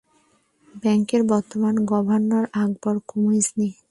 ব্যাংকের বর্তমান governor Akbar কোমিজনী।